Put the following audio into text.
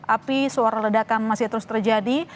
api suara ledakan masih terus terjadi